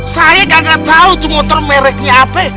saya gak tahu itu motor mereknya apa